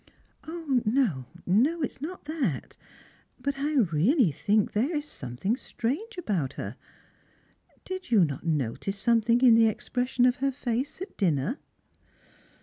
" Ko, no, it's not that. Bat I really think there is something strange about her. Did you not notice something in the expres sion of her face at dinner